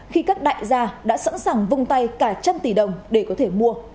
khi các đại gia đã sẵn sàng vung tay cả trăm tỷ đồng để có thể mua